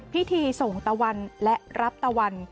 พิธีส่งตะวันและรับตะวัน